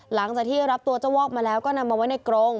หลังจากที่รับตัวเจ้าวอกมาแล้วก็นำมาไว้ในกรง